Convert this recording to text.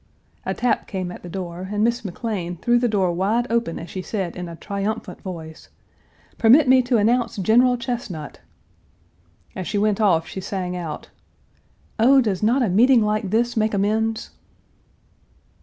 A tap came at the door, and Miss McLean threw the door wide open as she said in a triumphant voice: "Permit me to announce General Chesnut." As she went off she sang out, "Oh, does not a meeting like this make amends?"